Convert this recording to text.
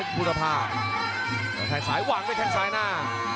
แทงสายหวังด้วยแทงสายหน้า